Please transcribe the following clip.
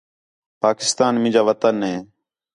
پاکستان مینجا وطن ہے